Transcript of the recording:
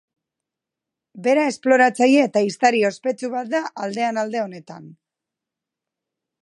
Bera esploratzaile eta ehiztari ospetsu bat da aldean alde honetan.